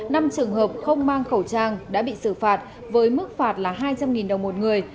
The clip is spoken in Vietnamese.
năm trường hợp không mang khẩu trang đã bị xử phạt với mức phạt là hai trăm linh đồng một người